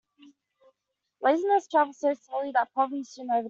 Laziness travels so slowly that poverty soon overtakes it.